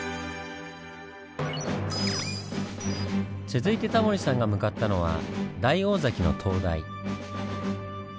続いてタモリさんが向かったのは大王崎の灯台。